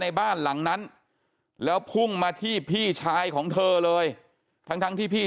ในบ้านหลังนั้นแล้วพุ่งมาที่พี่ชายของเธอเลยทั้งทั้งที่พี่